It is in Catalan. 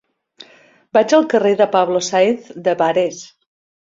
Vaig al carrer de Pablo Sáenz de Barés.